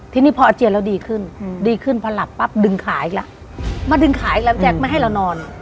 ทีนี้พออาเจียนเราดีขึ้นดีขึ้นพอหลับปั๊บดึงขายอีกแล้วมาดึงขายแล้วพี่แจ๊คไม่ให้เรานอน